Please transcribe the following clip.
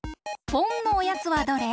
ポンのおやつはどれ？